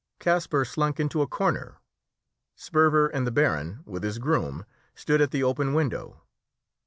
Kasper slunk into a corner. Sperver and the baron, with his groom, stood at the open window.